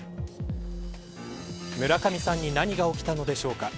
村上さんに何が起きたのでしょうか。